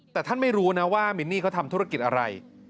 แต่ท่านไม่รู้นะว่ามินนี่เขาทำธุรกิจอะไร